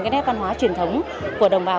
cái nét văn hóa truyền thống của đồng bào